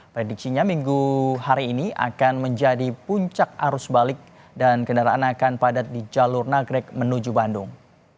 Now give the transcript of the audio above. prediksinya minggu hari ini akan menjadi puncak arus balik dan kendaraan akan padat di jalur nagrek menuju bandung